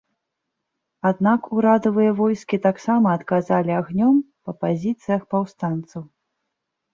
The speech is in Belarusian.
Аднак, урадавыя войскі таксама адказалі агнём па пазіцыях паўстанцаў.